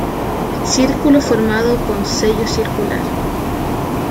Círculo formado con sello circular.